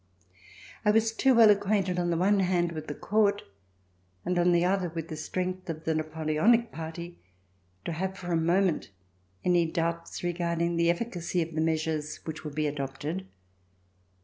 I was too well acquainted, on the one hand, with the Court, and on the other, with the strength of the THE FIRST RKSTORATION Napoleonic Party, t(j have for a moment any d(jLibts regarding the efficacy of the measures which uould be adopted.